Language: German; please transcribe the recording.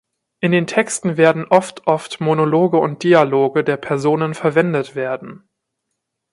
In den Texten werden oft oft Monologe und Dialoge der Personen verwendet werden.